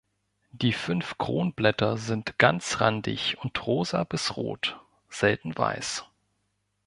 Die fünf Kronblätter sind ganzrandig und rosa bis rot, selten weiß.